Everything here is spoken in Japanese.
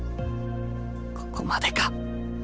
ここまでか？